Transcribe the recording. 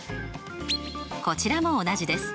こちらも同じです。